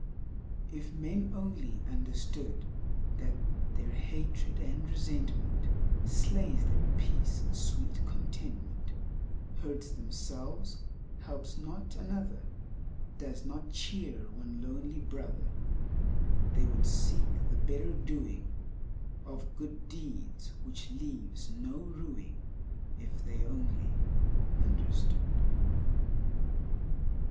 If men only understood That their hatred and resentment Slays their peace and sweet contentment Hurts themselves, helps not another, Does not cheer one lonely Brother, They would seek the better doing Of good deeds which leaves no rueing — If they only understood.